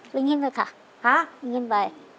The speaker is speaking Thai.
ปีนขึ้นไปค่ะ